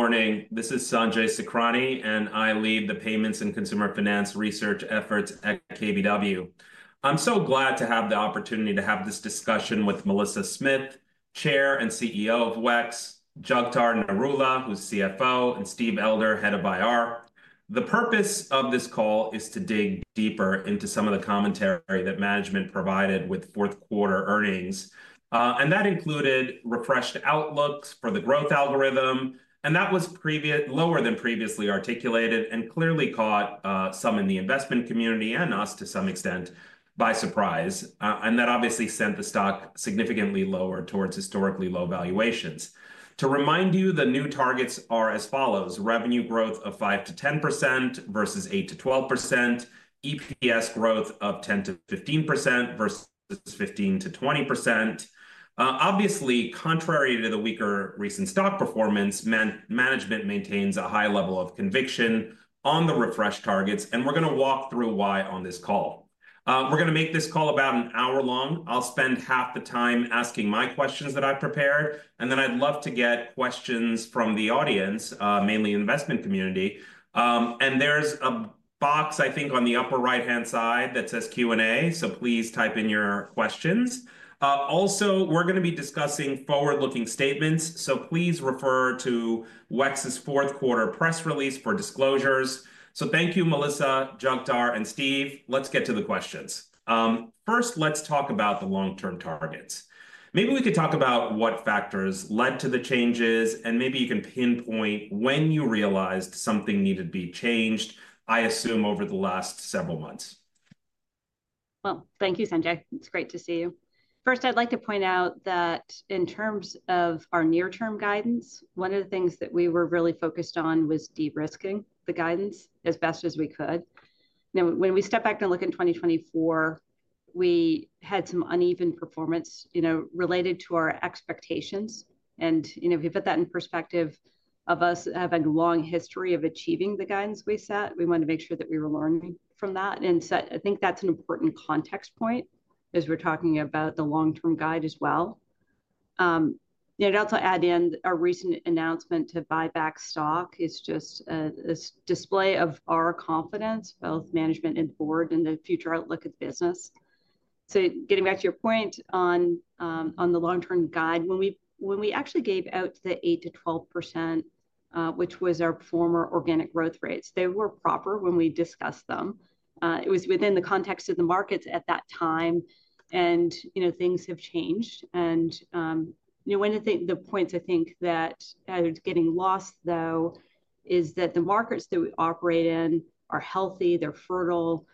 Good morning. This is Sanjay Sakhrani, and I lead the payments and consumer finance research efforts at KBW. I'm so glad to have the opportunity to have this discussion with Melissa Smith, Chair and CEO of WEX, Jagtar Narula, who's CFO, and Steve Elder, Head of IR. The purpose of this call is to dig deeper into some of the commentary that management provided with fourth quarter earnings, and that included refreshed outlooks for the growth algorithm, and that was lower than previously articulated and clearly caught some in the investment community and us to some extent by surprise. And that obviously sent the stock significantly lower towards historically low valuations. To remind you, the new targets are as follow, revenue growth of 5%-10% versus 8%-12%, EPS growth of 10%-15% versus 15%-20%. Obviously, contrary to the weaker recent stock performance, management maintains a high level of conviction on the refreshed targets, and we're going to walk through why on this call. We're going to make this call about an hour long. I'll spend half the time asking my questions that I've prepared, and then I'd love to get questions from the audience, mainly investment community, and there's a box, I think, on the upper right-hand side that says Q&A, so please type in your questions. Also, we're going to be discussing forward-looking statements, so please refer to WEX's fourth quarter press release for disclosures, so thank you, Melissa, Jagtar, and Steve. Let's get to the questions. First, let's talk about the long-term targets. Maybe we could talk about what factors led to the changes, and maybe you can pinpoint when you realized something needed to be changed. I assume over the last several months. Thank you, Sanjay. It's great to see you. First, I'd like to point out that in terms of our near-term guidance, one of the things that we were really focused on was de-risking the guidance as best as we could. Now, when we step back and look at 2024, we had some uneven performance related to our expectations, and if you put that in perspective, of us having a long history of achieving the guidance we set, we wanted to make sure that we were learning from that, and so I think that's an important context point as we're talking about the long-term guide as well, and I'd also add in our recent announcement to buy back stock is just a display of our confidence, both management and board, in the future outlook of the business. Getting back to your point on the long-term guide, when we actually gave out the 8%-12%, which was our former organic growth rates, they were proper when we discussed them. It was within the context of the markets at that time, and things have changed. One of the points I think that is getting lost, though, is that the markets that we operate in are healthy. They're fertile.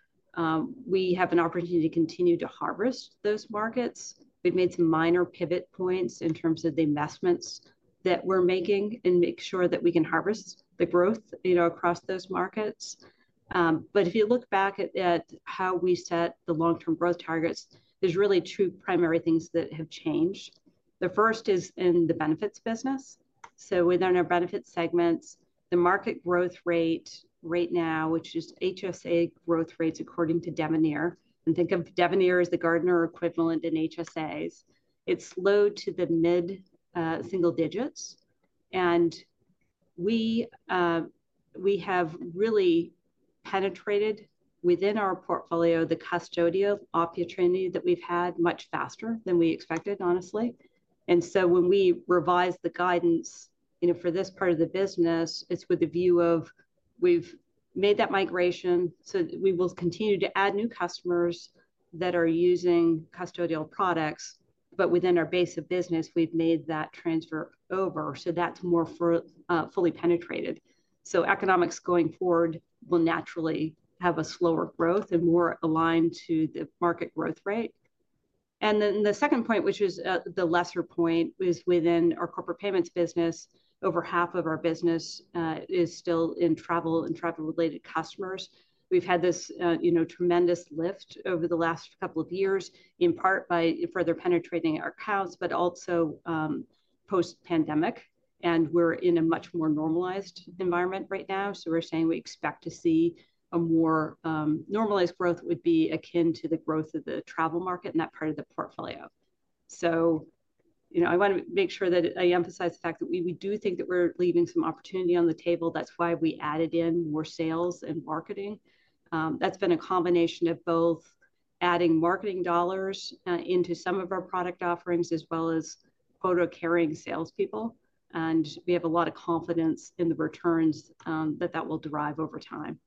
We have an opportunity to continue to harvest those markets. We've made some minor pivot points in terms of the investments that we're making and make sure that we can harvest the growth across those markets. If you look back at how we set the long-term growth targets, there's really two primary things that have changed. The first is in the Benefits business. So within our Benefits segments, the market growth rate right now, which is HSA growth rates according to Devenir, and think of Devenir as the Gartner equivalent in HSAs, it's low to the mid-single digits. And we have really penetrated within our portfolio the custodial opportunity that we've had much faster than we expected, honestly. And so when we revise the guidance for this part of the business, it's with the view of we've made that migration so that we will continue to add new customers that are using custodial products, but within our base of business, we've made that transfer over. So that's more fully penetrated. So economics going forward will naturally have a slower growth and more aligned to the market growth rate. And then the second point, which is the lesser point, is within our Corporate Payments business, over half of our business is still in travel and travel-related customers. We've had this tremendous lift over the last couple of years, in part by further penetrating our accounts, but also post-pandemic. And we're in a much more normalized environment right now. So we're saying we expect to see a more normalized growth would be akin to the growth of the travel market and that part of the portfolio. So I want to make sure that I emphasize the fact that we do think that we're leaving some opportunity on the table. That's why we added in more sales and marketing. That's been a combination of both adding marketing dollars into some of our product offerings as well as hiring salespeople. We have a lot of confidence in the returns that that will derive over time.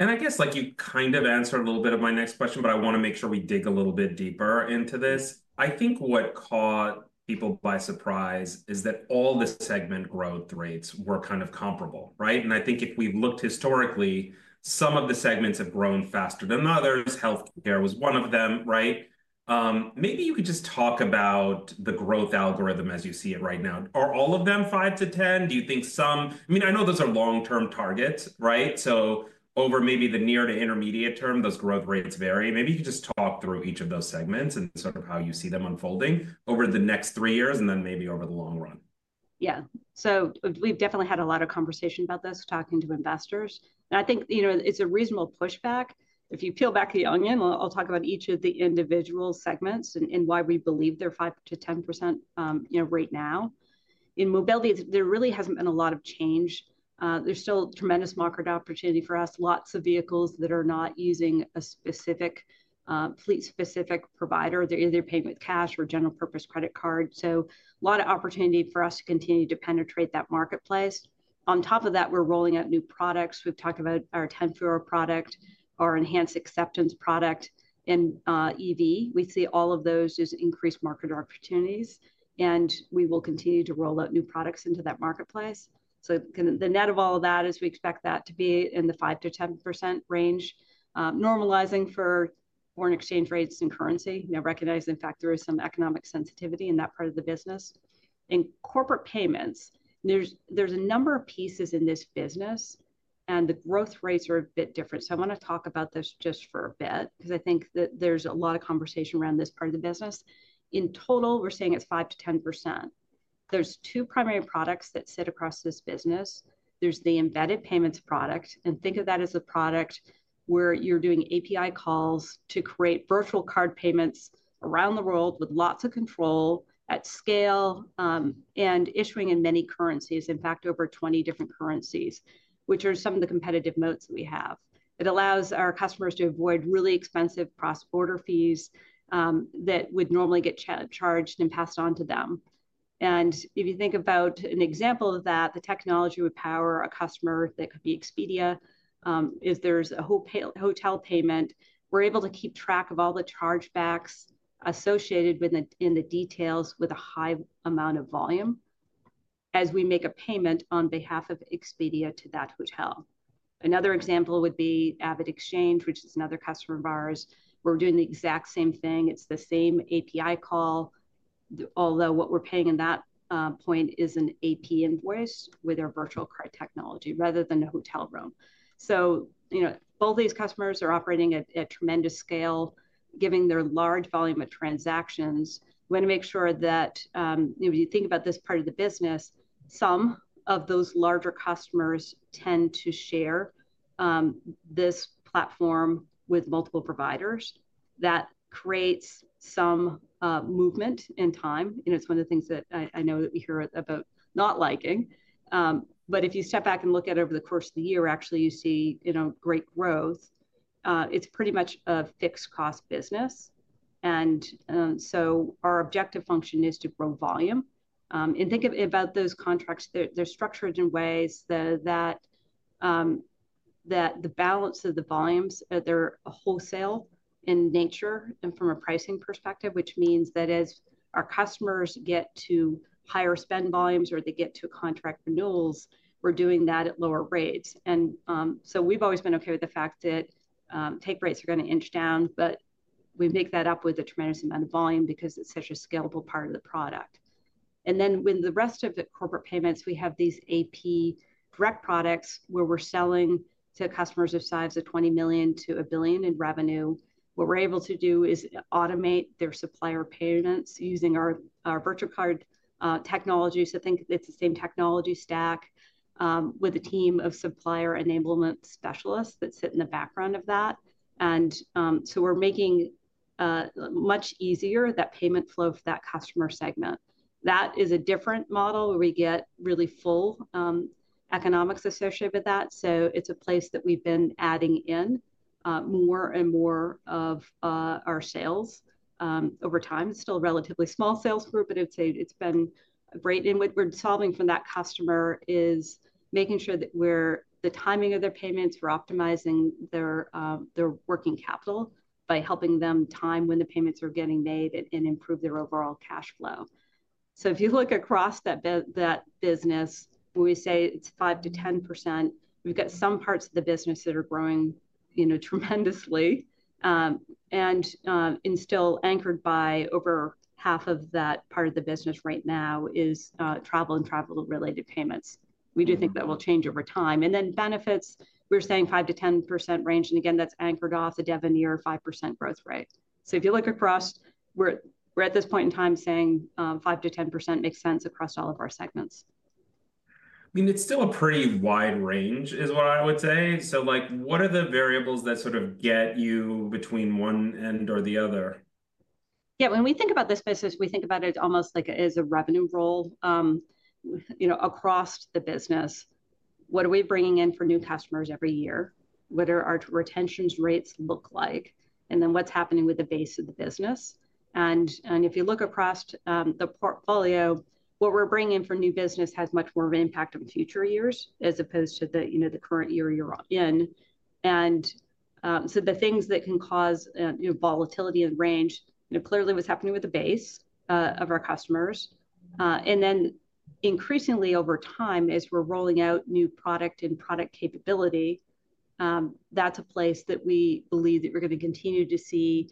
I guess you kind of answered a little bit of my next question, but I want to make sure we dig a little bit deeper into this. I think what caught people by surprise is that all the segment growth rates were kind of comparable, right? I think if we've looked historically, some of the segments have grown faster than others. Healthcare was one of them, right? Maybe you could just talk about the growth algorithm as you see it right now. Are all of them 5 to 10? Do you think some? I mean, I know those are long-term targets, right? So over maybe the near to intermediate term, those growth rates vary. Maybe you could just talk through each of those segments and sort of how you see them unfolding over the next three years and then maybe over the long run. Yeah. So we've definitely had a lot of conversation about this talking to investors. And I think it's a reasonable pushback. If you peel back the onion, I'll talk about each of the individual segments and why we believe they're 5%-10% right now. In Mobility, there really hasn't been a lot of change. There's still tremendous market opportunity for us. Lots of vehicles that are not using a specific fleet-specific provider. They're either paying with cash or general purpose credit cards. So a lot of opportunity for us to continue to penetrate that marketplace. On top of that, we're rolling out new products. We've talked about our 10-4 product, our Enhanced Acceptance product in EV. We see all of those as increased market opportunities, and we will continue to roll out new products into that marketplace. So the net of all of that is we expect that to be in the 5%-10% range, normalizing for foreign exchange rates and currency, recognizing, in fact, there is some economic sensitivity in that part of the business. In Corporate Payments, there's a number of pieces in this business, and the growth rates are a bit different. So I want to talk about this just for a bit because I think that there's a lot of conversation around this part of the business. In total, we're saying it's 5%-10%. There's two primary products that sit across this business. There's the embedded payments product, and think of that as a product where you're doing API calls to create virtual card payments around the world with lots of control at scale and issuing in many currencies, in fact, over 20 different currencies, which are some of the competitive moats that we have. It allows our customers to avoid really expensive cross-border fees that would normally get charged and passed on to them, and if you think about an example of that, the technology would power a customer that could be Expedia. If there's a hotel payment, we're able to keep track of all the chargebacks associated in the details with a high amount of volume as we make a payment on behalf of Expedia to that hotel. Another example would be AvidXchange, which is another customer of ours. We're doing the exact same thing. It's the same API call, although what we're paying in that point is an AP invoice with our virtual card technology rather than a hotel room. So both these customers are operating at tremendous scale, giving their large volume of transactions. We want to make sure that if you think about this part of the business, some of those larger customers tend to share this platform with multiple providers. That creates some movement in time. And it's one of the things that I know that we hear about not liking. But if you step back and look at it over the course of the year, actually, you see great growth. It's pretty much a fixed cost business. And so our objective function is to grow volume. And think about those contracts. They're structured in ways that the balance of the volumes, they're wholesale in nature and from a pricing perspective, which means that as our customers get to higher spend volumes or they get to contract renewals, we're doing that at lower rates. And so we've always been okay with the fact that take rates are going to inch down, but we make that up with a tremendous amount of volume because it's such a scalable part of the product. And then with the rest of the Corporate Payments, we have these AP Direct products where we're selling to customers of size of $20 million-$1 billion in revenue. What we're able to do is automate their supplier payments using our virtual card technology. So I think it's the same technology stack with a team of supplier enablement specialists that sit in the background of that. And so we're making much easier that payment flow for that customer segment. That is a different model where we get really full economics associated with that. So it's a place that we've been adding in more and more of our sales over time. It's still a relatively small sales group, but it's been great. And what we're solving for that customer is making sure that we're the timing of their payments, we're optimizing their working capital by helping them time when the payments are getting made and improve their overall cash flow. So if you look across that business, we say it's 5%-10%. We've got some parts of the business that are growing tremendously, and still anchored by over half of that part of the business right now is travel and travel-related payments. We do think that will change over time. And then Benefits, we're saying 5%-10% range. And again, that's anchored off the Devenir 5% growth rate. So if you look across, we're at this point in time saying 5%-10% makes sense across all of our segments. I mean, it's still a pretty wide range is what I would say. So what are the variables that sort of get you between one end or the other? Yeah. When we think about this business, we think about it almost like it is a revenue roll across the business. What are we bringing in for new customers every year? What do our retention rates look like? And then what's happening with the base of the business? And if you look across the portfolio, what we're bringing in for new business has much more of an impact on future years as opposed to the current year you're in. And so the things that can cause volatility and range. Clearly what's happening with the base of our customers. And then increasingly over time, as we're rolling out new product and product capability, that's a place that we believe that we're going to continue to see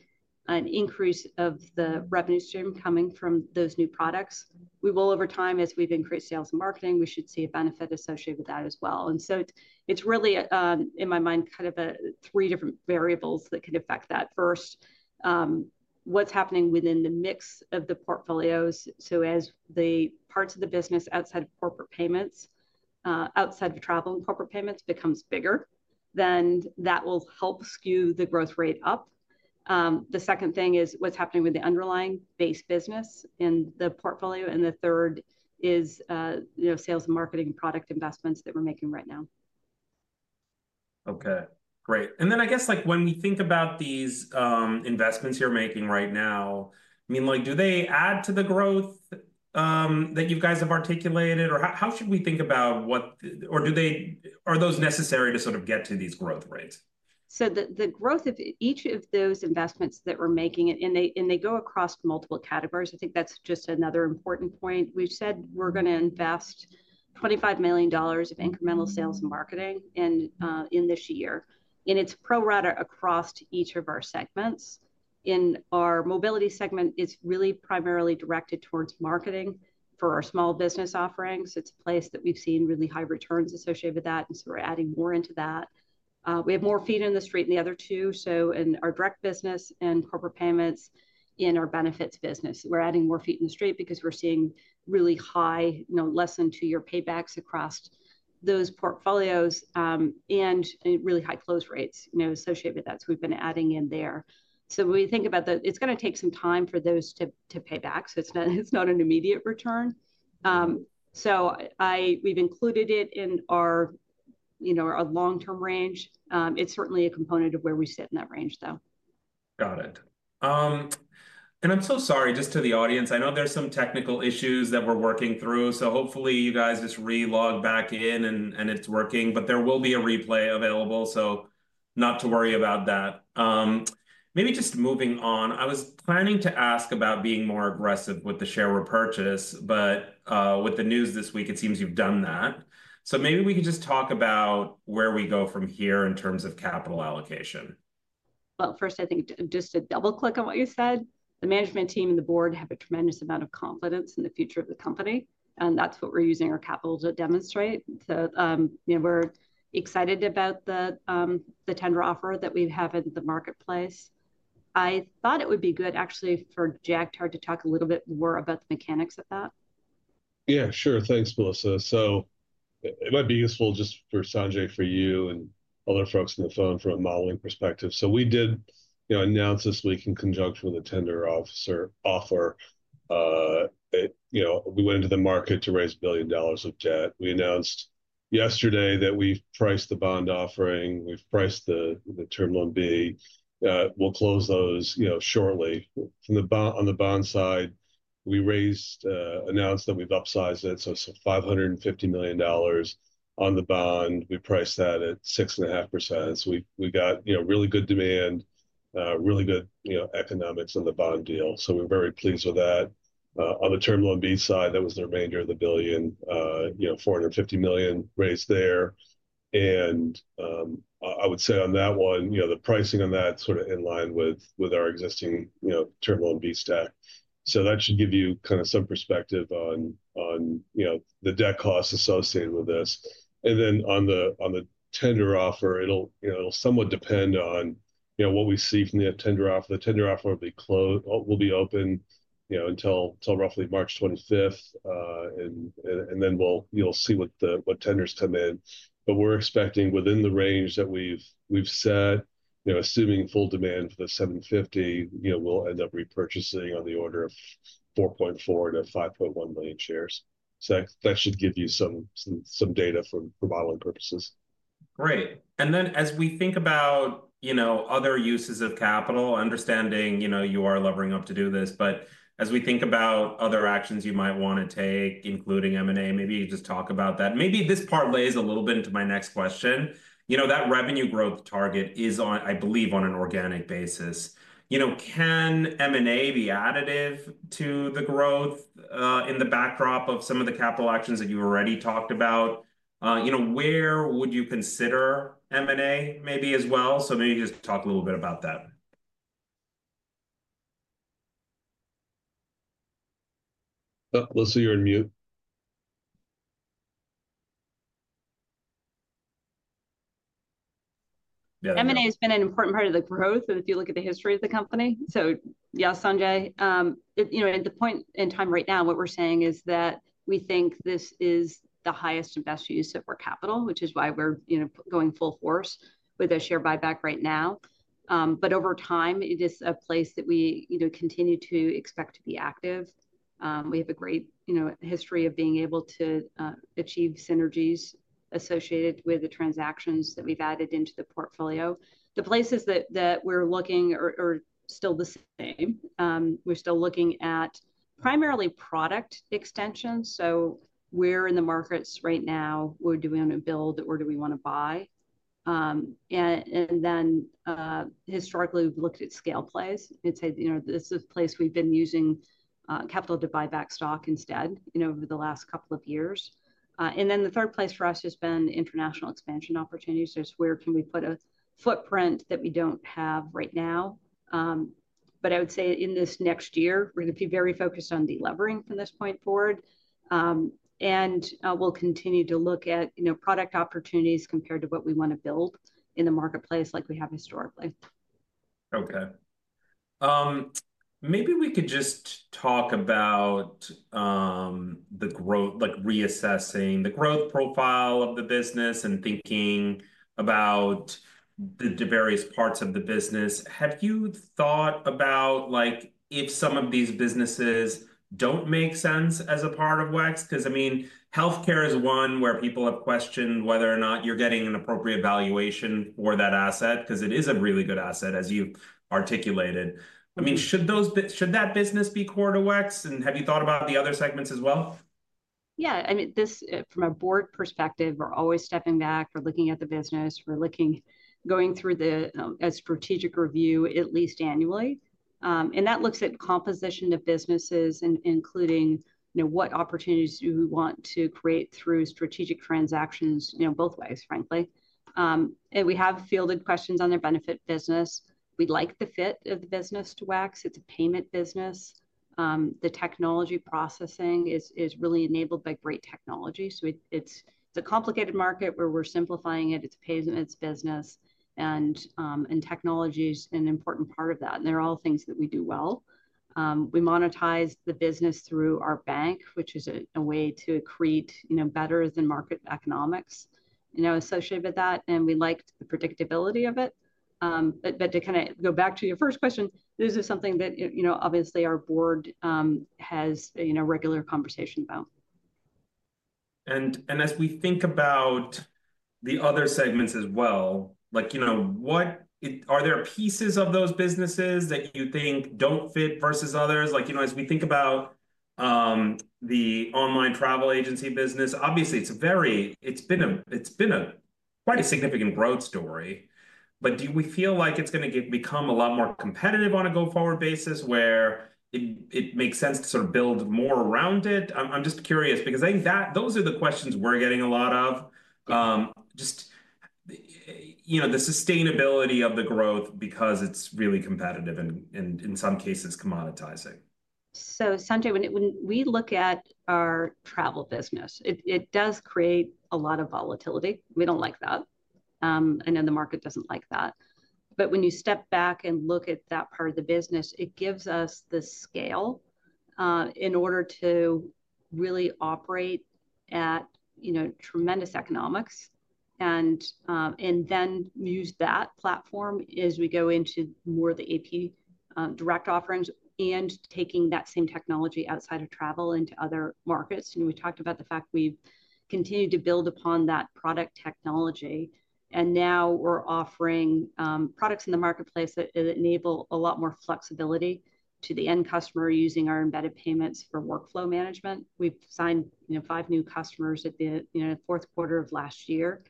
an increase of the revenue stream coming from those new products. We will, over time, as we've increased sales and marketing, we should see a benefit associated with that as well. And so it's really, in my mind, kind of three different variables that can affect that. First, what's happening within the mix of the portfolios. So as the parts of the business outside of Corporate Payments, outside of travel and Corporate Payments becomes bigger, then that will help skew the growth rate up. The second thing is what's happening with the underlying base business in the portfolio. And the third is sales and marketing product investments that we're making right now. Okay. Great. And then I guess when we think about these investments you're making right now, I mean, do they add to the growth that you guys have articulated? Or how should we think about what? Or are those necessary to sort of get to these growth rates? So the growth of each of those investments that we're making, and they go across multiple categories. I think that's just another important point. We've said we're going to invest $25 million of incremental sales and marketing in this year. And it's pro-rata across each of our segments. In our Mobility segment, it's really primarily directed towards marketing for our small business offerings. It's a place that we've seen really high returns associated with that. And so we're adding more into that. We have more feet in the street in the other two, so in our direct business and Corporate Payments in our Benefits business. We're adding more feet in the street because we're seeing really high, less than two-year paybacks across those portfolios and really high close rates associated with that. So we've been adding in there. So when we think about that, it's going to take some time for those to pay back. So it's not an immediate return. So we've included it in our long-term range. It's certainly a component of where we sit in that range, though. Got it. And I'm so sorry, just to the audience, I know there's some technical issues that we're working through. So hopefully, you guys just relog back in and it's working. But there will be a replay available, so not to worry about that. Maybe just moving on, I was planning to ask about being more aggressive with the share repurchase, but with the news this week, it seems you've done that. So maybe we can just talk about where we go from here in terms of capital allocation. Well, first, I think just to double-click on what you said, the management team and the board have a tremendous amount of confidence in the future of the company. And that's what we're using our capital to demonstrate. So we're excited about the tender offer that we have in the marketplace. I thought it would be good, actually, for Jagtar to talk a little bit more about the mechanics of that. Yeah, sure. Thanks, Melissa. So it might be useful just for Sanjay, for you, and other folks on the phone from a modeling perspective. So we did announce this week in conjunction with a tender offer. We went into the market to raise $1 billion of debt. We announced yesterday that we've priced the bond offering. We've priced the Term Loan B. We'll close those shortly. On the bond side, we announced that we've upsized it. So it's $550 million on the bond. We priced that at 6.5%. So we got really good demand, really good economics on the bond deal. So we're very pleased with that. On the Term Loan B side, that was the remainder of the billion, $450 million raised there. And I would say on that one, the pricing on that is sort of in line with our existing Term Loan B stack. So that should give you kind of some perspective on the debt costs associated with this. And then on the tender offer, it'll somewhat depend on what we see from the tender offer. The tender offer will be open until roughly March 25th. And then you'll see what tenders come in. But we're expecting within the range that we've set, assuming full demand for the 750, we'll end up repurchasing on the order of 4.4-5.1 million shares. So that should give you some data for modeling purposes. Great. And then as we think about other uses of capital, understanding you are levering up to do this, but as we think about other actions you might want to take, including M&A, maybe you could just talk about that. Maybe this part plays a little bit into my next question. That revenue growth target is, I believe, on an organic basis. Can M&A be additive to the growth in the backdrop of some of the capital actions that you already talked about? Where would you consider M&A maybe as well? So maybe you could just talk a little bit about that. Melissa, you're on mute. M&A has been an important part of the growth, if you look at the history of the company. So yeah, Sanjay, at the point in time right now, what we're saying is that we think this is the highest and best use of our capital, which is why we're going full force with a share buyback right now. But over time, it is a place that we continue to expect to be active. We have a great history of being able to achieve synergies associated with the transactions that we've added into the portfolio. The places that we're looking are still the same. We're still looking at primarily product extensions. So where in the markets right now, do we want to build or do we want to buy? And then historically, we've looked at scale plays. It's a place we've been using capital to buy back stock instead over the last couple of years, and then the third place for us has been international expansion opportunities. So it's where can we put a footprint that we don't have right now, but I would say in this next year, we're going to be very focused on delivering from this point forward, and we'll continue to look at product opportunities compared to what we want to build in the marketplace like we have historically. Okay. Maybe we could just talk about reassessing the growth profile of the business and thinking about the various parts of the business. Have you thought about if some of these businesses don't make sense as a part of WEX? Because I mean, healthcare is one where people have questioned whether or not you're getting an appropriate valuation for that asset because it is a really good asset, as you've articulated. I mean, should that business be core to WEX? And have you thought about the other segments as well? Yeah. I mean, from a board perspective, we're always stepping back. We're looking at the business. We're going through a strategic review at least annually. And that looks at composition of businesses, including what opportunities do we want to create through strategic transactions both ways, frankly. And we have fielded questions on their benefit business. We'd like the fit of the business to WEX. It's a payment business. The technology processing is really enabled by great technology. So it's a complicated market where we're simplifying it. It's a payments business. And technology is an important part of that. And they're all things that we do well. We monetize the business through our bank, which is a way to create better than market economics associated with that. And we liked the predictability of it. But to kind of go back to your first question, this is something that obviously our board has regular conversation about. As we think about the other segments as well, are there pieces of those businesses that you think don't fit versus others? As we think about the online travel agency business, obviously, it's been a quite significant growth story. Do we feel like it's going to become a lot more competitive on a go-forward basis where it makes sense to sort of build more around it? I'm just curious because I think those are the questions we're getting a lot of, just the sustainability of the growth because it's really competitive and in some cases commoditizing. So Sanjay, when we look at our travel business, it does create a lot of volatility. We don't like that. And then the market doesn't like that. But when you step back and look at that part of the business, it gives us the scale in order to really operate at tremendous economics and then use that platform as we go into more of the AP Direct offerings and taking that same technology outside of travel into other markets. And we talked about the fact we've continued to build upon that product technology. And now we're offering products in the marketplace that enable a lot more flexibility to the end customer using our embedded payments for workflow management. We've signed five new customers at the fourth quarter of last year.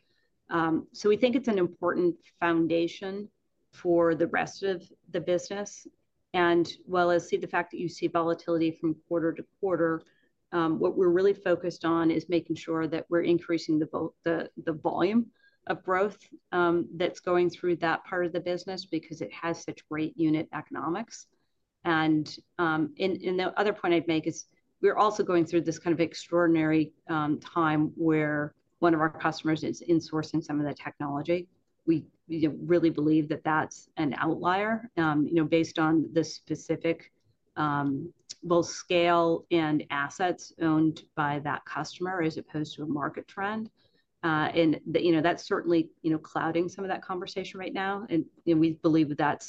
So we think it's an important foundation for the rest of the business. I see the fact that you see volatility from quarter to quarter. What we're really focused on is making sure that we're increasing the volume of growth that's going through that part of the business because it has such great unit economics. The other point I'd make is we're also going through this kind of extraordinary time where one of our customers is insourcing some of the technology. We really believe that that's an outlier based on the specific both scale and assets owned by that customer as opposed to a market trend. That's certainly clouding some of that conversation right now. We believe that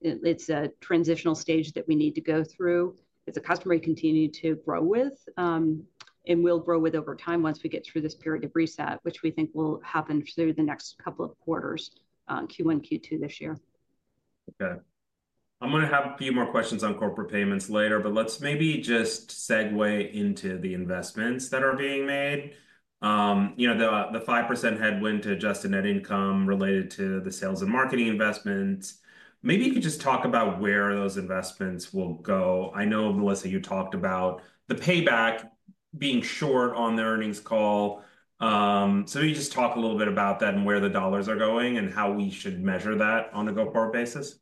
it's a transitional stage that we need to go through. It's a customer we continue to grow with. We'll grow with over time once we get through this period of reset, which we think will happen through the next couple of quarters, Q1, Q2 this year. Okay. I'm going to have a few more questions on Corporate Payments later, but let's maybe just segue into the investments that are being made. The 5% headwind to Adjusted Net Income related to the sales and marketing investments. Maybe you could just talk about where those investments will go. I know, Melissa, you talked about the payback being short on the earnings call. So maybe just talk a little bit about that and where the dollars are going and how we should measure that on a go-forward basis.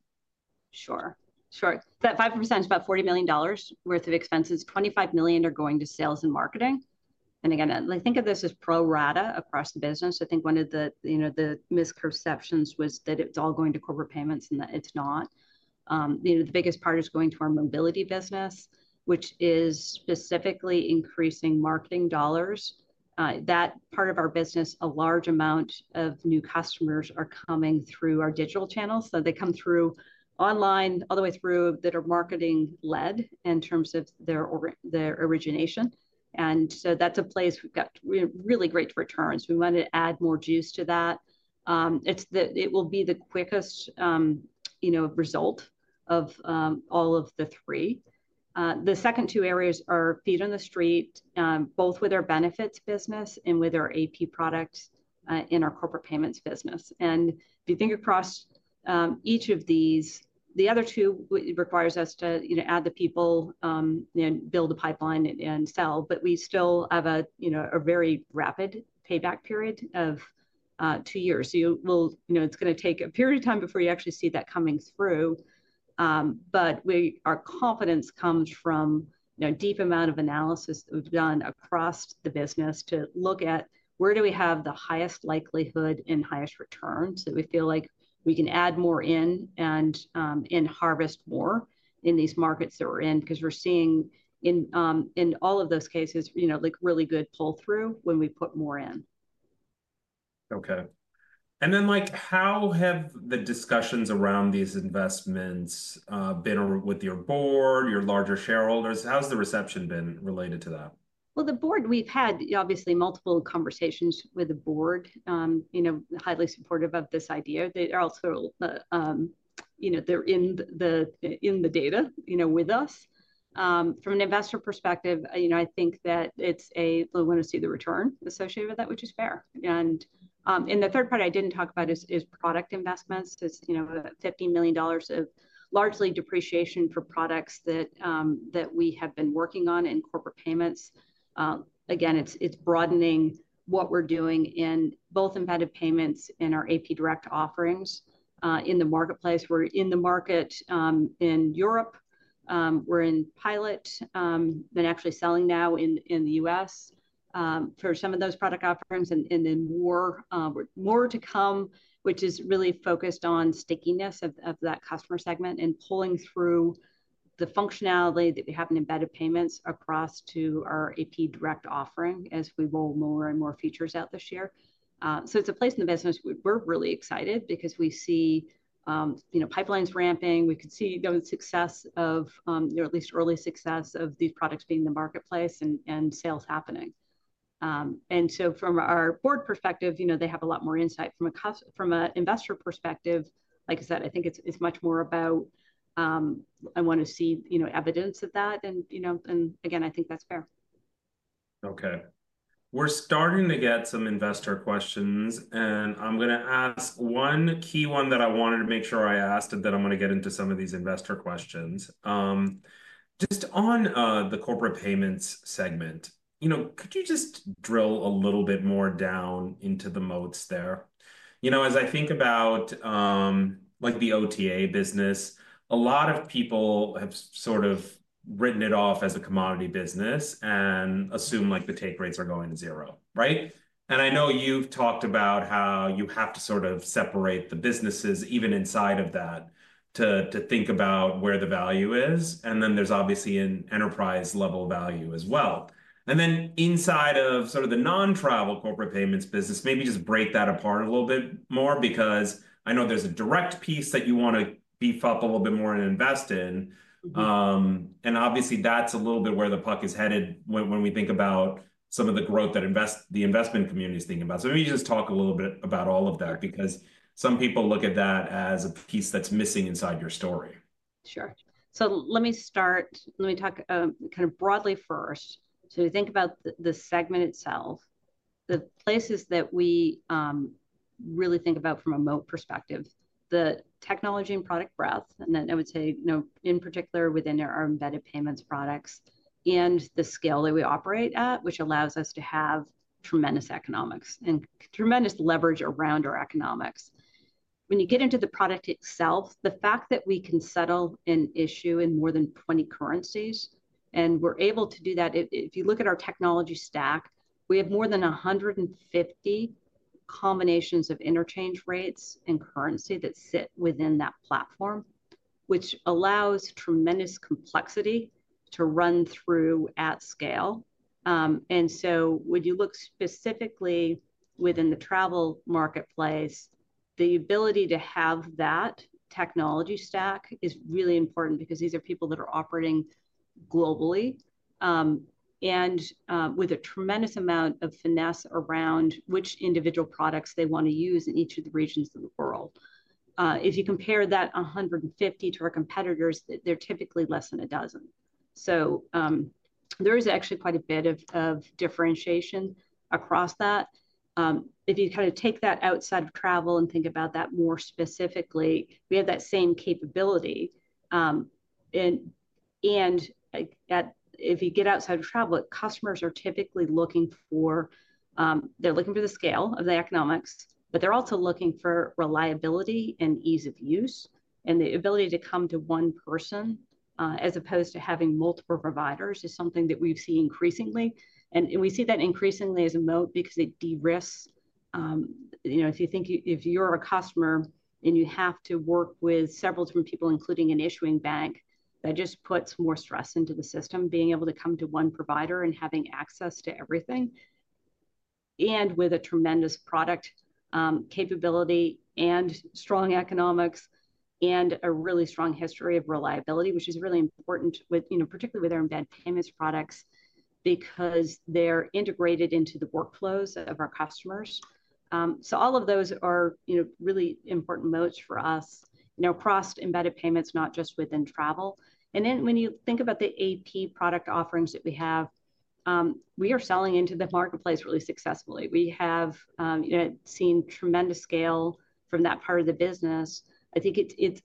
Sure. Sure. That 5% is about $40 million worth of expenses. $25 million are going to sales and marketing. And again, I think of this as pro-rata across the business. I think one of the misconceptions was that it's all going to Corporate Payments and that it's not. The biggest part is going to our Mobility business, which is specifically increasing marketing dollars. That part of our business, a large amount of new customers are coming through our digital channels. So they come through online all the way through that are marketing-led in terms of their origination. And so that's a place we've got really great returns. We want to add more juice to that. It will be the quickest result of all of the three. The second two areas are feet on the street, both with our Benefits business and with our AP products in our Corporate Payments business. If you think across each of these, the other two requires us to add the people, build a pipeline, and sell. We still have a very rapid payback period of two years. It's going to take a period of time before you actually see that coming through. Our confidence comes from a deep amount of analysis that we've done across the business to look at where do we have the highest likelihood and highest return so that we feel like we can add more in and harvest more in these markets that we're in because we're seeing in all of those cases, really good pull-through when we put more in. Okay. And then how have the discussions around these investments been with your board, your larger shareholders? How's the reception been related to that? The board, we've had obviously multiple conversations with the board, highly supportive of this idea. They're also in the data with us. From an investor perspective, I think that investors want to see the return associated with that, which is fair. The third part I didn't talk about is product investments. It's $50 million of largely depreciation for products that we have been working on in Corporate Payments. Again, it's broadening what we're doing in both embedded payments and our AP Direct offerings in the marketplace. We're in the market in Europe. We're in pilot, been actually selling now in the U.S. for some of those product offerings. And then more to come, which is really focused on stickiness of that customer segment and pulling through the functionality that we have in embedded payments across to our AP Direct offering as we roll more and more features out this year. So it's a place in the business we're really excited because we see pipelines ramping. We could see the success of at least early success of these products being in the marketplace and sales happening. And so from our board perspective, they have a lot more insight from an investor perspective. Like I said, I think it's much more about I want to see evidence of that. And again, I think that's fair. Okay. We're starting to get some investor questions. And I'm going to ask one key one that I wanted to make sure I asked and then I'm going to get into some of these investor questions. Just on the Corporate Payments segment, could you just drill a little bit more down into the moats there? As I think about the OTA business, a lot of people have sort of written it off as a commodity business and assume the take rates are going to zero, right? And I know you've talked about how you have to sort of separate the businesses even inside of that to think about where the value is. And then there's obviously an enterprise-level value as well. And then inside of sort of the non-travel Corporate Payments business, maybe just break that apart a little bit more because I know there's a direct piece that you want to beef up a little bit more and invest in. And obviously, that's a little bit where the puck is headed when we think about some of the growth that the investment community is thinking about. So maybe just talk a little bit about all of that because some people look at that as a piece that's missing inside your story. Sure. So let me start. Let me talk kind of broadly first. So we think about the segment itself, the places that we really think about from a moat perspective, the technology and product breadth. And then I would say in particular within our embedded payments products and the scale that we operate at, which allows us to have tremendous economics and tremendous leverage around our economics. When you get into the product itself, the fact that we can settle an issue in more than 20 currencies, and we're able to do that, if you look at our technology stack, we have more than 150 combinations of interchange rates and currency that sit within that platform, which allows tremendous complexity to run through at scale. And so when you look specifically within the travel marketplace, the ability to have that technology stack is really important because these are people that are operating globally and with a tremendous amount of finesse around which individual products they want to use in each of the regions of the world. If you compare that 150 to our competitors, they're typically less than a dozen. So there is actually quite a bit of differentiation across that. If you kind of take that outside of travel and think about that more specifically, we have that same capability. And if you get outside of travel, customers are typically looking for the scale of the economics, but they're also looking for reliability and ease of use. And the ability to come to one person as opposed to having multiple providers is something that we've seen increasingly. And we see that increasingly as a moat because it de-risk. If you think if you're a customer and you have to work with several different people, including an issuing bank, that just puts more stress into the system, being able to come to one provider and having access to everything and with a tremendous product capability and strong economics and a really strong history of reliability, which is really important, particularly with our embedded payments products because they're integrated into the workflows of our customers. So all of those are really important notes for us across embedded payments, not just within travel. And then when you think about the AP product offerings that we have, we are selling into the marketplace really successfully. We have seen tremendous scale from that part of the business. I think it's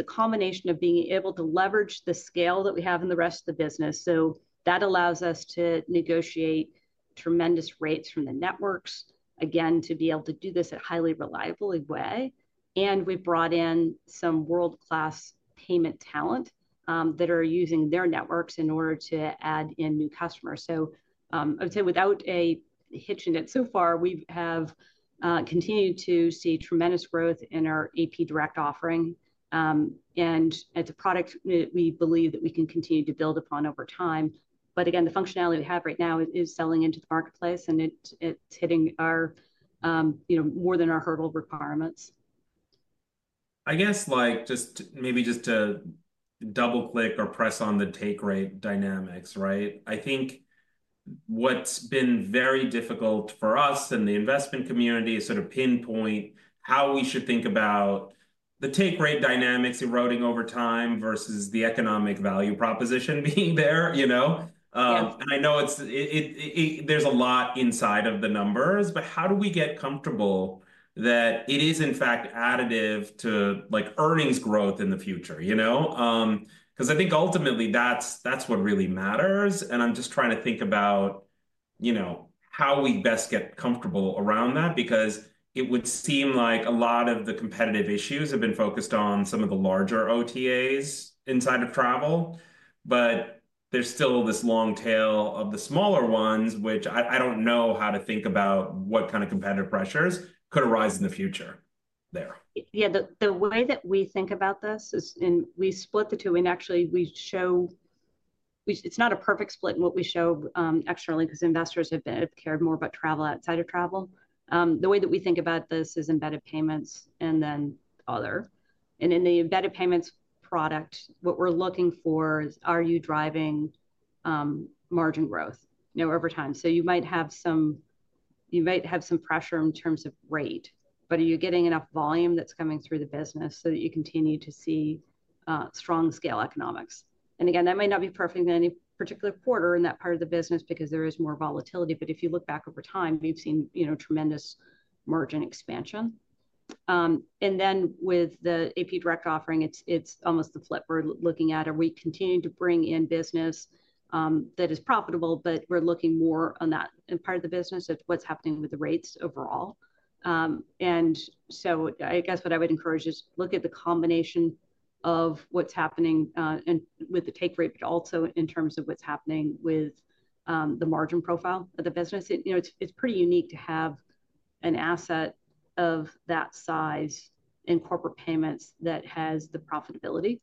a combination of being able to leverage the scale that we have in the rest of the business. So that allows us to negotiate tremendous rates from the networks, again, to be able to do this in a highly reliable way. And we've brought in some world-class payment talent that are using their networks in order to add in new customers. So I would say without a hitch in it so far, we have continued to see tremendous growth in our AP Direct offering. And it's a product that we believe that we can continue to build upon over time. But again, the functionality we have right now is selling into the marketplace, and it's hitting more than our hurdle requirements. I guess just maybe to double-click or press on the take rate dynamics, right? I think what's been very difficult for us and the investment community is sort of pinpoint how we should think about the take rate dynamics eroding over time versus the economic value proposition being there. I know there's a lot inside of the numbers, but how do we get comfortable that it is, in fact, additive to earnings growth in the future? Because I think ultimately, that's what really matters. I'm just trying to think about how we best get comfortable around that because it would seem like a lot of the competitive issues have been focused on some of the larger OTAs inside of travel, but there's still this long tail of the smaller ones, which I don't know how to think about what kind of competitive pressures could arise in the future there. Yeah. The way that we think about this is we split the two. And actually, it's not a perfect split in what we show externally because investors have cared more about travel outside of travel. The way that we think about this is embedded payments and then other. And in the embedded payments product, what we're looking for is, are you driving margin growth over time? So you might have some pressure in terms of rate, but are you getting enough volume that's coming through the business so that you continue to see strong scale economics? And again, that may not be perfect in any particular quarter in that part of the business because there is more volatility. But if you look back over time, you've seen tremendous margin expansion. And then with the AP Direct offering, it's almost the flip we're looking at. Are we continuing to bring in business that is profitable, but we're looking more on that part of the business of what's happening with the rates overall? And so I guess what I would encourage is look at the combination of what's happening with the take rate, but also in terms of what's happening with the margin profile of the business. It's pretty unique to have an asset of that size in Corporate Payments that has the profitability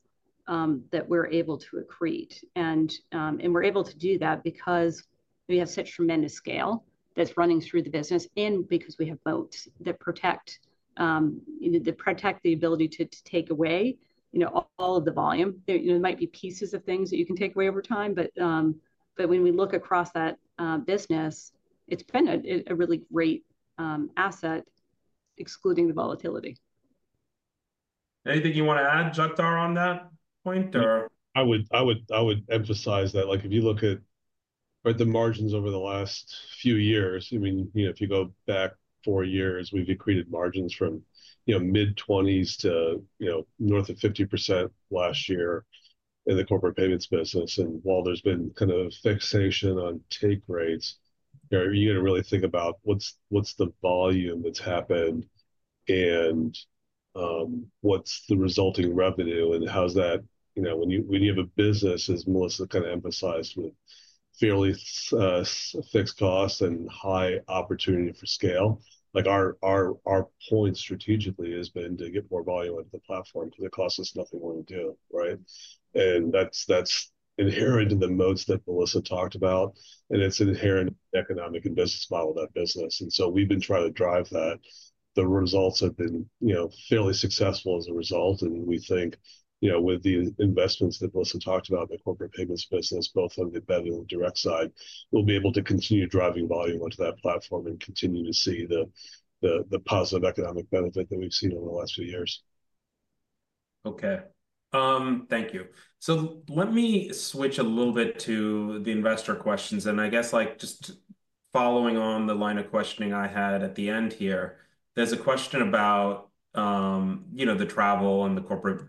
that we're able to accrete. And we're able to do that because we have such tremendous scale that's running through the business and because we have moats that protect the ability to take away all of the volume. There might be pieces of things that you can take away over time, but when we look across that business, it's been a really great asset, excluding the volatility. Anything you want to add, Jagtar, on that point, or? I would emphasize that if you look at the margins over the last few years, I mean, if you go back four years, we've accreted margins from mid-20s% to north of 50% last year in the Corporate Payments business. And while there's been kind of fixation on take rates, you got to really think about what's the volume that's happened and what's the resulting revenue and how's that when you have a business, as Melissa kind of emphasized, with fairly fixed costs and high opportunity for scale, our point strategically has been to get more volume into the platform because it costs us nothing more to do, right? And that's inherent in the moats that Melissa talked about. And it's inherent in the economic and business model of that business. And so we've been trying to drive that. The results have been fairly successful as a result. We think with the investments that Melissa talked about in the Corporate Payments business, both on the embedded and the direct side, we'll be able to continue driving volume onto that platform and continue to see the positive economic benefit that we've seen over the last few years. Okay. Thank you. So let me switch a little bit to the investor questions. And I guess just following on the line of questioning I had at the end here, there's a question about the travel and the Corporate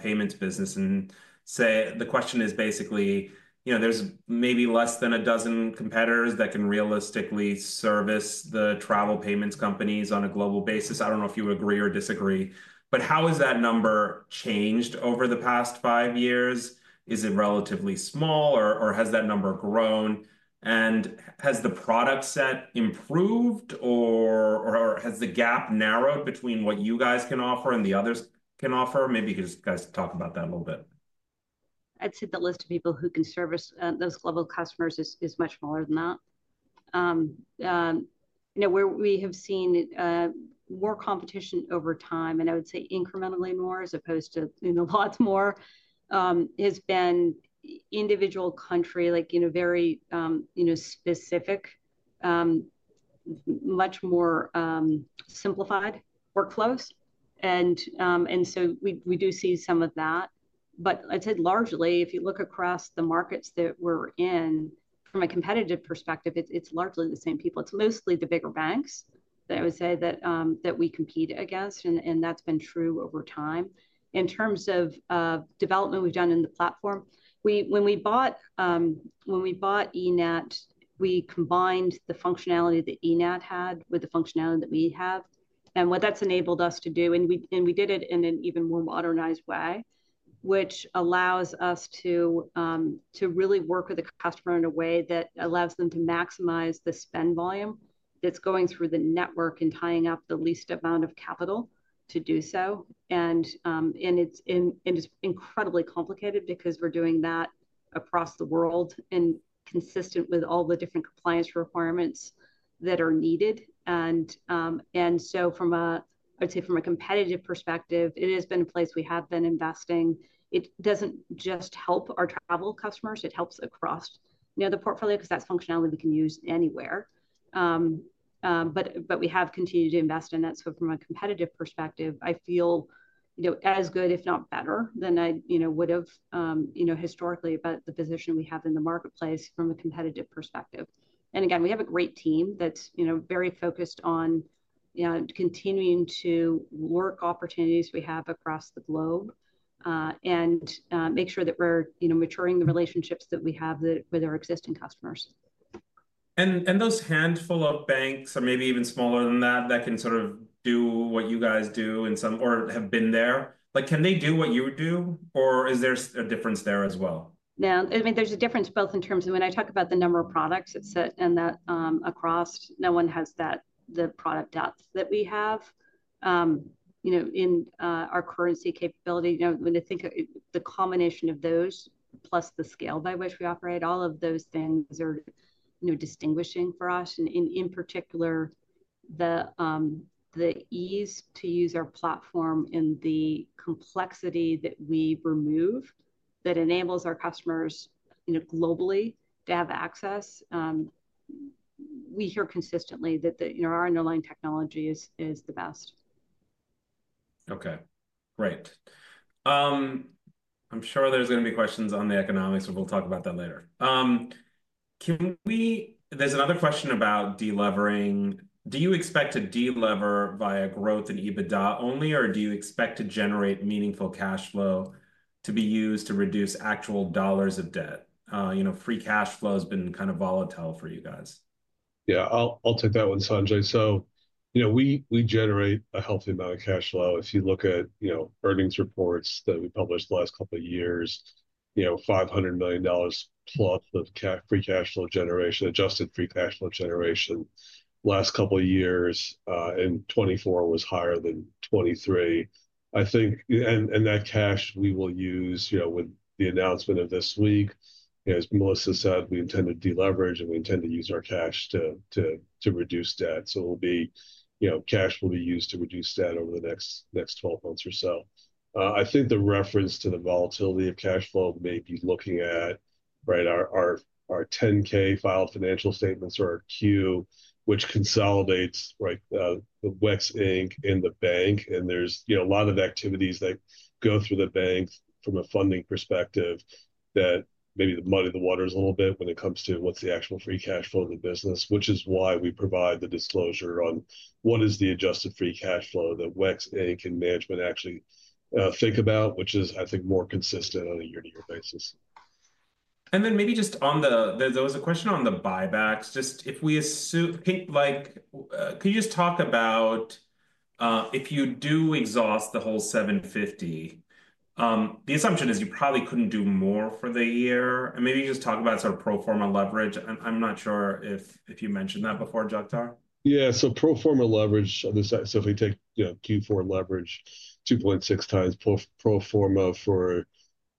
Payments business. And say the question is basically, there's maybe less than a dozen competitors that can realistically service the travel payments companies on a global basis. I don't know if you agree or disagree, but how has that number changed over the past five years? Is it relatively small, or has that number grown? And has the product set improved, or has the gap narrowed between what you guys can offer and the others can offer? Maybe you guys could just talk about that a little bit. I'd say the list of people who can service those global customers is much smaller than that. We have seen more competition over time, and I would say incrementally more as opposed to lots more, has been individual country, like very specific, much more simplified workflows. And so we do see some of that. But I'd say largely, if you look across the markets that we're in, from a competitive perspective, it's largely the same people. It's mostly the bigger banks that I would say that we compete against, and that's been true over time. In terms of development we've done in the platform, when we bought eNett, we combined the functionality that eNett had with the functionality that we have. What that's enabled us to do, and we did it in an even more modernized way, which allows us to really work with the customer in a way that allows them to maximize the spend volume that's going through the network and tying up the least amount of capital to do so. It's incredibly complicated because we're doing that across the world and consistent with all the different compliance requirements that are needed. So from a, I'd say, from a competitive perspective, it has been a place we have been investing. It doesn't just help our travel customers. It helps across the portfolio because that's functionality we can use anywhere. But we have continued to invest in that. From a competitive perspective, I feel as good, if not better, than I would have historically about the position we have in the marketplace from a competitive perspective. And again, we have a great team that's very focused on continuing to work opportunities we have across the globe and make sure that we're maturing the relationships that we have with our existing customers. Those handful of banks or maybe even smaller than that that can sort of do what you guys do or have been there, can they do what you do, or is there a difference there as well? Yeah. I mean, there's a difference both in terms of when I talk about the number of products that sit in that across. No one has the product depth that we have in our currency capability. When I think of the combination of those plus the scale by which we operate, all of those things are distinguishing for us. And in particular, the ease to use our platform and the complexity that we remove that enables our customers globally to have access. We hear consistently that our underlying technology is the best. Okay. Great. I'm sure there's going to be questions on the economics, but we'll talk about that later. There's another question about delivering. Do you expect to deliver via growth and EBITDA only, or do you expect to generate meaningful cash flow to be used to reduce actual dollars of debt? Free cash flow has been kind of volatile for you guys. Yeah. I'll take that one, Sanjay. So we generate a healthy amount of cash flow. If you look at earnings reports that we published the last couple of years, $500+ million of free cash flow generation, adjusted free cash flow generation, last couple of years. In 2024 was higher than 2023. I think, and that cash we will use with the announcement of this week. As Melissa said, we intend to deleverage, and we intend to use our cash to reduce debt. So cash will be used to reduce debt over the next 12 months or so. I think the reference to the volatility of cash flow may be looking at our 10-K filed financial statements or our Q, which consolidates the WEX Inc in the bank. There's a lot of activities that go through the bank from a funding perspective that maybe muddy the waters a little bit when it comes to what's the actual free cash flow of the business, which is why we provide the disclosure on what is the Adjusted Free Cash Flow that WEX Inc and management actually think about, which is, I think, more consistent on a year-to-year basis. Then maybe just on, there was a question on the buybacks. Just if we assume, could you just talk about if you do exhaust the whole 750, the assumption is you probably couldn't do more for the year. Maybe you just talk about sort of pro forma leverage. I'm not sure if you mentioned that before, Jagtar. Yeah. So pro forma leverage, so if we take Q4 leverage, 2.6 times pro forma for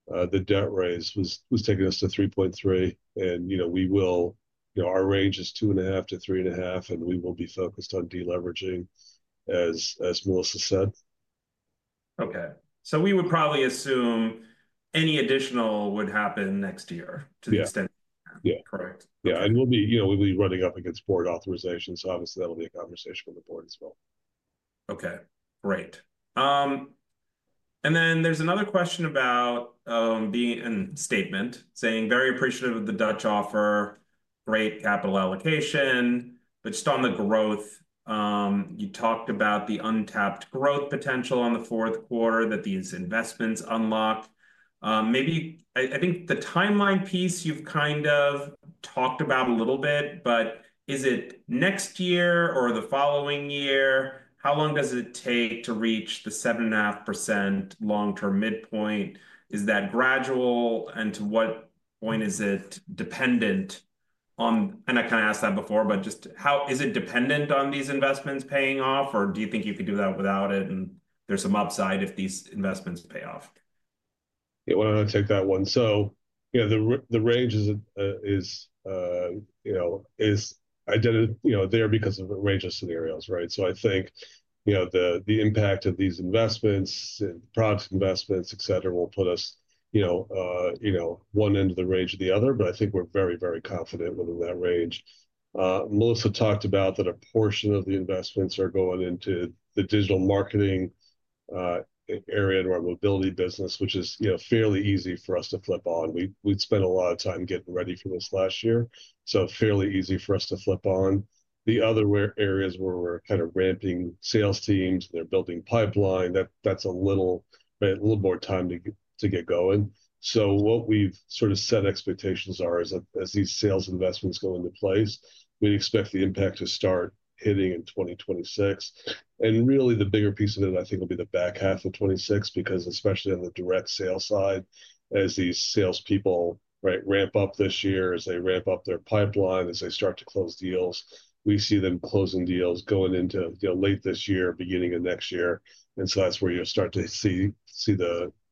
the debt raise was taking us to 3.3, and our range is 2.5 to 3.5, and we will be focused on deleveraging, as Melissa said. Okay, so we would probably assume any additional would happen next year to the extent. Yeah. Correct? Yeah. And we'll be running up against board authorization. So obviously, that'll be a conversation with the board as well. Okay. Great. And then there's another question about a statement saying, "Very appreciative of the Dutch offer, great capital allocation." But just on the growth, you talked about the untapped growth potential on the fourth quarter that these investments unlock. I think the timeline piece you've kind of talked about a little bit, but is it next year or the following year? How long does it take to reach the 7.5% long-term midpoint? Is that gradual, and to what point is it dependent on? And I kind of asked that before, but just how is it dependent on these investments paying off, or do you think you could do that without it, and there's some upside if these investments pay off? Yeah. Why don't I take that one? So the range is there because of a range of scenarios, right? So I think the impact of these investments, product investments, etc., will put us one end of the range or the other, but I think we're very, very confident within that range. Melissa talked about that a portion of the investments are going into the digital marketing area in our Mobility business, which is fairly easy for us to flip on. We'd spent a lot of time getting ready for this last year. So fairly easy for us to flip on. The other areas where we're kind of ramping sales teams and they're building pipeline, that's a little more time to get going. So what we've sort of set expectations are as these sales investments go into place, we expect the impact to start hitting in 2026. Really, the bigger piece of it, I think, will be the back half of 2026 because especially on the direct sale side, as these salespeople ramp up this year, as they ramp up their pipeline, as they start to close deals, we see them closing deals going into late this year, beginning of next year. So that's where you'll start to see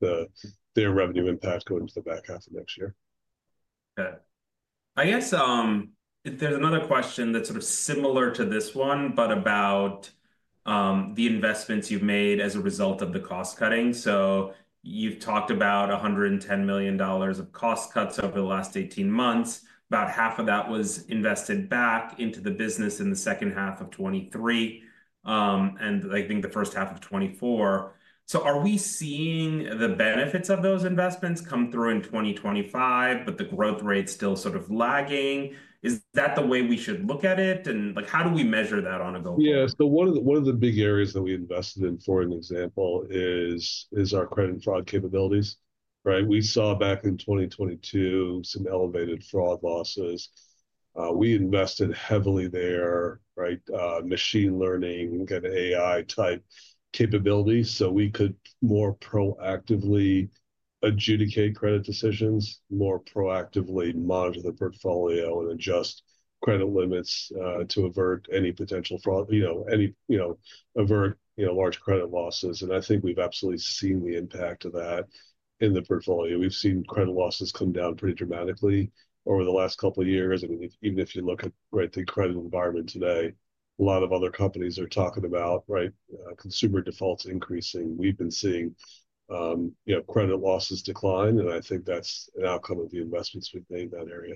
their revenue impact go into the back half of next year. Okay. I guess there's another question that's sort of similar to this one, but about the investments you've made as a result of the cost cutting. So you've talked about $110 million of cost cuts over the last 18 months. About half of that was invested back into the business in the second half of 2023 and I think the first half of 2024. So are we seeing the benefits of those investments come through in 2025, but the growth rate still sort of lagging? Is that the way we should look at it? And how do we measure that on a go-forward? Yeah. So one of the big areas that we invested in, for an example, is our credit and fraud capabilities, right? We saw back in 2022 some elevated fraud losses. We invested heavily there, right? Machine learning, kind of AI-type capabilities. So we could more proactively adjudicate credit decisions, more proactively monitor the portfolio, and adjust credit limits to avert any potential fraud, avert large credit losses. And I think we've absolutely seen the impact of that in the portfolio. We've seen credit losses come down pretty dramatically over the last couple of years. I mean, even if you look at the credit environment today, a lot of other companies are talking about consumer defaults increasing. We've been seeing credit losses decline, and I think that's an outcome of the investments we've made in that area.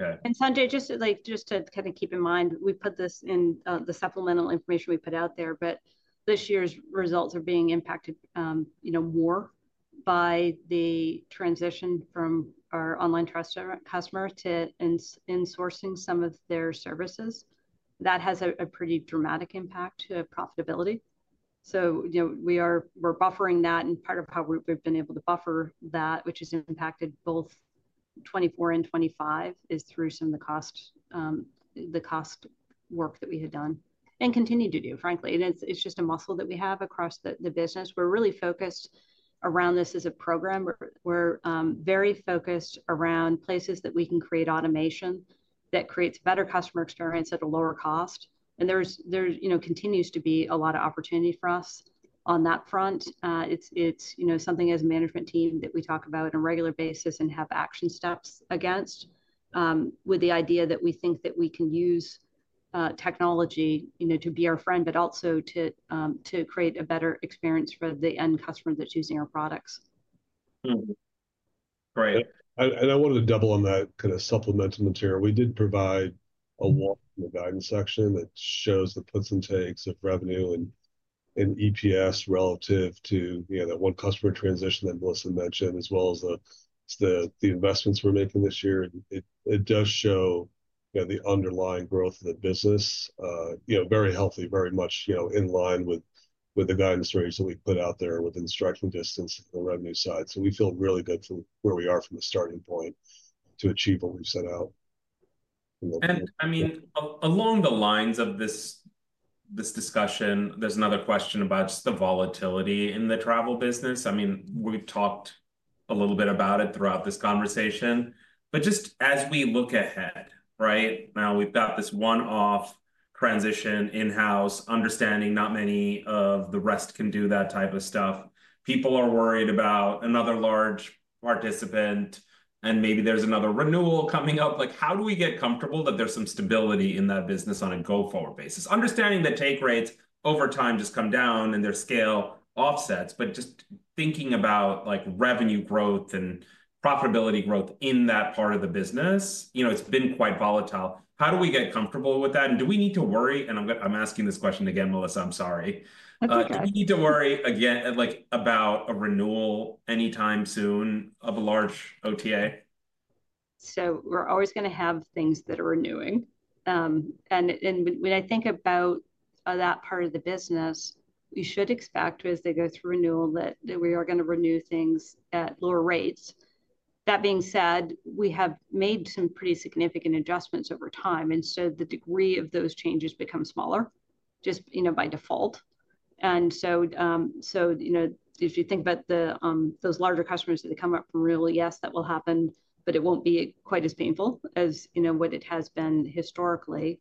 Okay. Sanjay, just to kind of keep in mind, we put this in the supplemental information we put out there, but this year's results are being impacted more by the transition from our online customer to in-sourcing some of their services. That has a pretty dramatic impact to profitability. So we're buffering that, and part of how we've been able to buffer that, which has impacted both 2024 and 2025, is through some of the cost work that we had done and continue to do, frankly. And it's just a muscle that we have across the business. We're really focused around this as a program. We're very focused around places that we can create automation that creates better customer experience at a lower cost. And there continues to be a lot of opportunity for us on that front. It's something as a management team that we talk about on a regular basis and have action steps against with the idea that we think that we can use technology to be our friend, but also to create a better experience for the end customer that's using our products. Great. And I wanted to double on that kind of supplemental material. We did provide a walkthrough guidance section that shows the puts and takes of revenue and EPS relative to that one customer transition that Melissa mentioned, as well as the investments we're making this year. It does show the underlying growth of the business, very healthy, very much in line with the guidance rates that we put out there with striking distance on the revenue side. So we feel really good from where we are from the starting point to achieve what we've set out. I mean, along the lines of this discussion, there's another question about just the volatility in the travel business. I mean, we've talked a little bit about it throughout this conversation, but just as we look ahead, right? Now, we've got this one-off transition in-house, understanding not many of the rest can do that type of stuff. People are worried about another large participant, and maybe there's another renewal coming up. How do we get comfortable that there's some stability in that business on a go-forward basis? Understanding that take rates over time just come down and their scale offsets, but just thinking about revenue growth and profitability growth in that part of the business, it's been quite volatile. How do we get comfortable with that, and do we need to worry, and I'm asking this question again, Melissa. I'm sorry. Do we need to worry again about a renewal anytime soon of a large OTA? So we're always going to have things that are renewing. And when I think about that part of the business, we should expect as they go through renewal that we are going to renew things at lower rates. That being said, we have made some pretty significant adjustments over time. And so the degree of those changes becomes smaller just by default. And so if you think about those larger customers that come up from renewal, yes, that will happen, but it won't be quite as painful as what it has been historically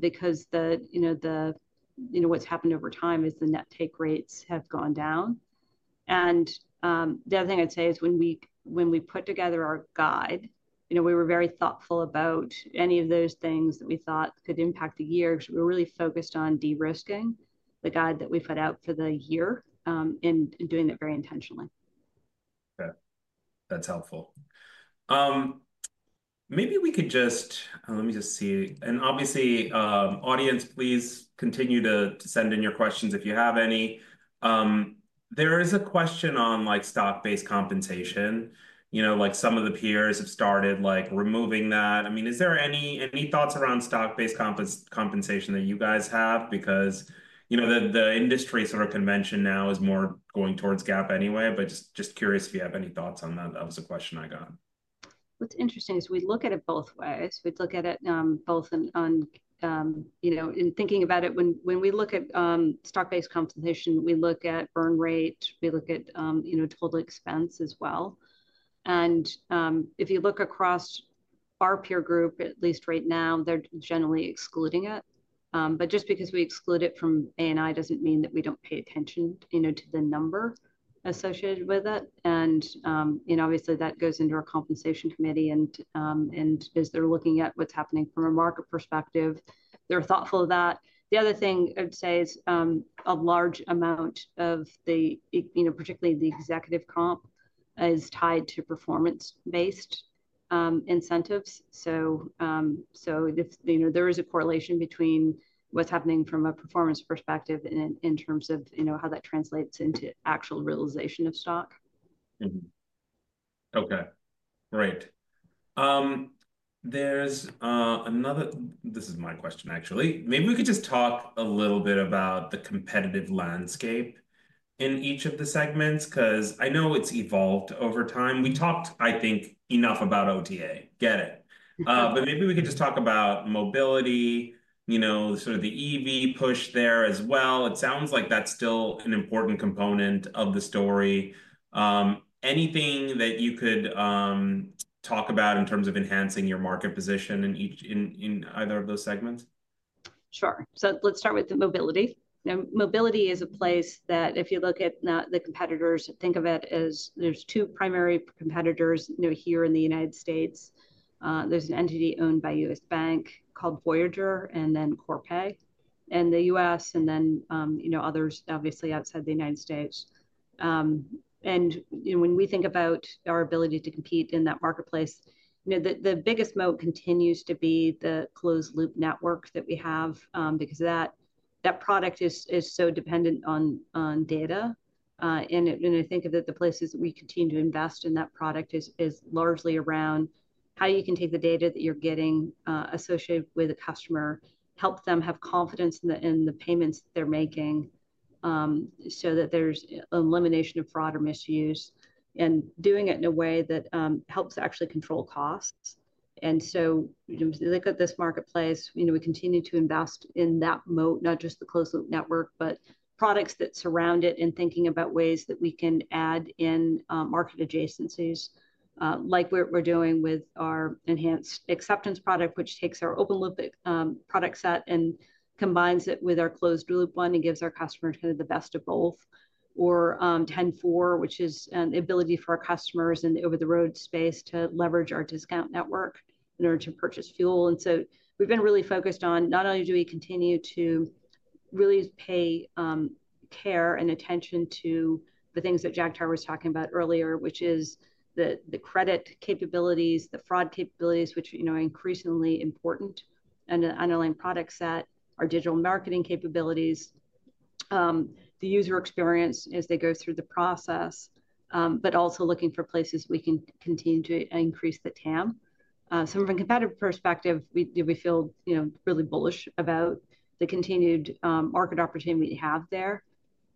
because what's happened over time is the net take rates have gone down. The other thing I'd say is when we put together our guide, we were very thoughtful about any of those things that we thought could impact the year because we were really focused on de-risking the guide that we put out for the year and doing it very intentionally. Okay. That's helpful. Maybe we could just let me see. And obviously, audience, please continue to send in your questions if you have any. There is a question on stock-based compensation. Some of the peers have started removing that. I mean, is there any thoughts around stock-based compensation that you guys have? Because the industry sort of convention now is more going towards GAAP anyway, but just curious if you have any thoughts on that. That was a question I got. What's interesting is we look at it both ways. We'd look at it both in thinking about it. When we look at stock-based compensation, we look at burn rate. We look at total expense as well, and if you look across our peer group, at least right now, they're generally excluding it, but just because we exclude it from ANI doesn't mean that we don't pay attention to the number associated with it, and obviously, that goes into our compensation committee, and as they're looking at what's happening from a market perspective, they're thoughtful of that. The other thing I'd say is a large amount of the, particularly the executive comp, is tied to performance-based incentives, so there is a correlation between what's happening from a performance perspective in terms of how that translates into actual realization of stock. Okay. Great. This is my question, actually. Maybe we could just talk a little bit about the competitive landscape in each of the segments because I know it's evolved over time. We talked, I think, enough about OTA. Get it. But maybe we could just talk about Mobility, sort of the EV push there as well. It sounds like that's still an important component of the story. Anything that you could talk about in terms of enhancing your market position in either of those segments? Sure. So let's start with the Mobility. Mobility is a place that if you look at the competitors, think of it as there's two primary competitors here in the United States. There's an entity owned by U.S. Bank called Voyager and then Corpay in the U.S. and then others, obviously, outside the United States. And when we think about our ability to compete in that marketplace, the biggest moat continues to be the closed-loop network that we have because that product is so dependent on data. And I think that the places that we continue to invest in that product is largely around how you can take the data that you're getting associated with a customer, help them have confidence in the payments they're making so that there's elimination of fraud or misuse and doing it in a way that helps actually control costs. And so if you look at this marketplace, we continue to invest in that moat, not just the closed-loop network, but products that surround it and thinking about ways that we can add in market adjacencies like we're doing with our Enhanced Acceptance product, which takes our open-loop product set and combines it with our closed-loop one and gives our customers kind of the best of both, or 10-4, which is the ability for our customers in the over-the-road space to leverage our discount network in order to purchase fuel. And so we've been really focused on not only do we continue to really pay care and attention to the things that Jagtar was talking about earlier, which is the credit capabilities, the fraud capabilities, which are increasingly important, and the underlying product set, our digital marketing capabilities, the user experience as they go through the process, but also looking for places we can continue to increase the TAM. So from a competitive perspective, we feel really bullish about the continued market opportunity we have there.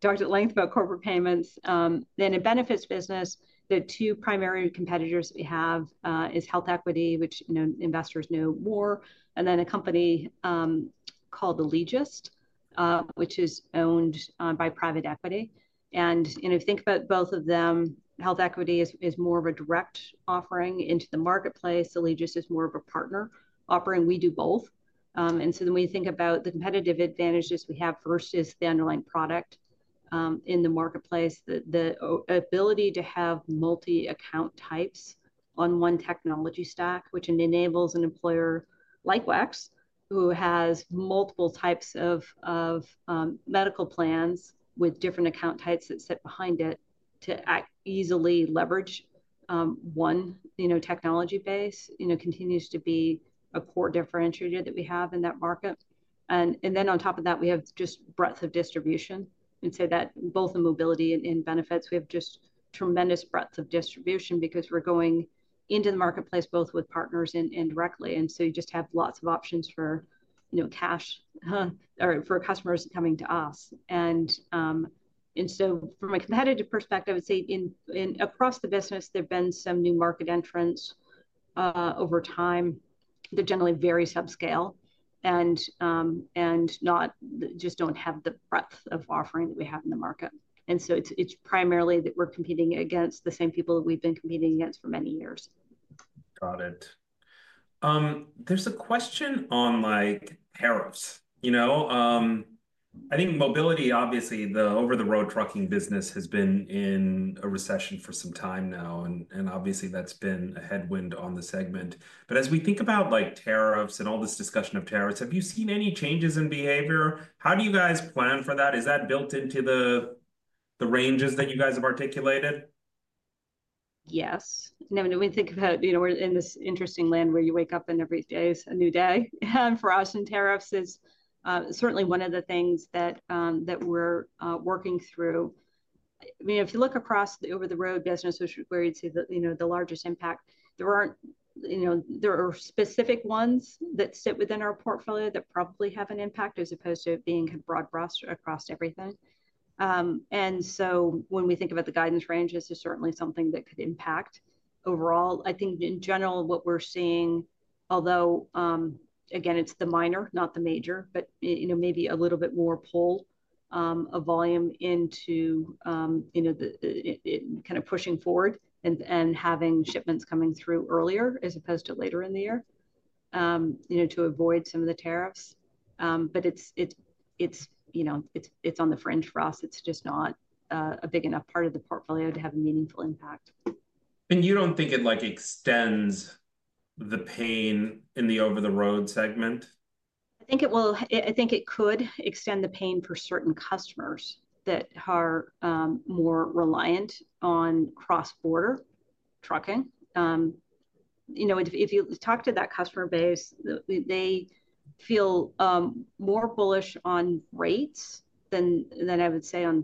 Talked at length about Corporate Payments. Then in Benefits business, the two primary competitors that we have are HealthEquity, which investors know more, and then a company called Alegeus, which is owned by private equity. And if you think about both of them, HealthEquity is more of a direct offering into the marketplace. Alegeus is more of a partner offering. We do both. And so when we think about the competitive advantages we have versus the underlying product in the marketplace, the ability to have multi-account types on one technology stack, which enables an employer like WEX, who has multiple types of medical plans with different account types that sit behind it to easily leverage one technology base, continues to be a core differentiator that we have in that market. And then on top of that, we have just breadth of distribution. And so that both in Mobility and Benefits, we have just tremendous breadth of distribution because we're going into the marketplace both with partners and directly. And so you just have lots of options for cash or for customers coming to us. And so from a competitive perspective, I would say across the business, there have been some new market entrants over time that generally are subscale and just don't have the breadth of offering that we have in the market. And so it's primarily that we're competing against the same people that we've been competing against for many years. Got it. There's a question on tariffs. I think mobility, obviously, the over-the-road trucking business has been in a recession for some time now. And obviously, that's been a headwind on the segment. But as we think about tariffs and all this discussion of tariffs, have you seen any changes in behavior? How do you guys plan for that? Is that built into the ranges that you guys have articulated? Yes. When we think about we're in this interesting land where you wake up and every day is a new day. For us, tariffs is certainly one of the things that we're working through. If you look across the over-the-road business, which is where you'd see the largest impact, there are specific ones that sit within our portfolio that probably have an impact as opposed to being kind of broad-brushed across everything. And so when we think about the guidance ranges, it's certainly something that could impact overall. I think in general, what we're seeing, although again, it's the minor, not the major, but maybe a little bit more pull of volume into kind of pushing forward and having shipments coming through earlier as opposed to later in the year to avoid some of the tariffs. But it's on the fringe for us. It's just not a big enough part of the portfolio to have a meaningful impact. You don't think it extends the pain in the over-the-road segment? I think it could extend the pain for certain customers that are more reliant on cross-border trucking. If you talk to that customer base, they feel more bullish on rates than I would say on.